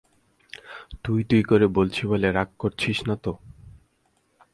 তুই তুই করে বলছি বলে রাগ করছিস না তো?